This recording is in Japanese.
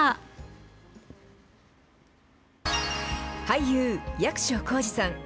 俳優、役所広司さん。